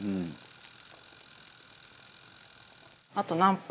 あと何分？